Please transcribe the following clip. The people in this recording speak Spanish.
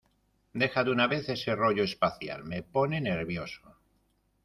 ¡ Deja de una vez ese rollo espacial! Me pone nervioso.